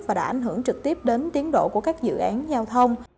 và đã ảnh hưởng trực tiếp đến tiến độ của các dự án giao thông